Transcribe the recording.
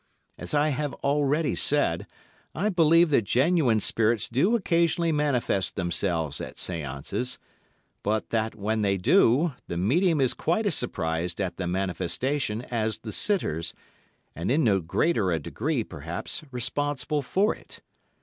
As I have already said, I believe that genuine spirits do occasionally manifest themselves at séances, but that, when they do, the medium is quite as surprised at the manifestation as the sitters, and in no greater a degree, perhaps, responsible for it.